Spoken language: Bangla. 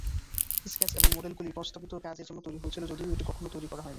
স্কেচ এবং মডেলগুলি প্রস্তাবিত কাজের জন্য তৈরি হয়েছিল, যদিও এটি কখনও তৈরি করা হয়নি।